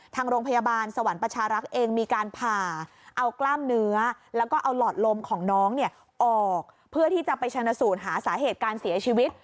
ทางโรงพยาบาลสวรรค์ประชารักษ์เองมีการผ่าเอากล้ามเนื้อแล้วก็เอาหลอดลมของน้องเนี่ยออกเพื่อที่จะไปชนะสูตรหาสาเหตุการเสียชีวิต